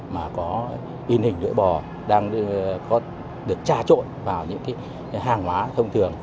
mà có in hình lưỡi bò đang được trà trộn vào những hàng hóa thông thường